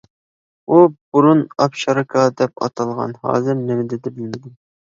ئۇ بۇرۇن «ئاپشاركا» دەپ ئاتالغان، ھازىر نېمە دېدى بىلمىدىم.